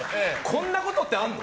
こんなことってあるの？